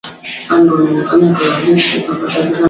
Ongeza kidogo sukari